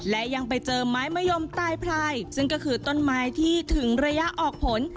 และยังไปเจอไม้มะยมตายพลายซึ่งก็คือต้นไม้ที่ถึงระยะออกผล